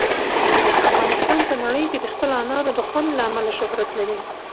افغانستان په نړۍ کې د خپلو انارو د خوند له امله شهرت لري.